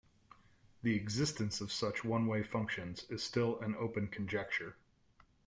The existence of such one-way functions is still an open conjecture.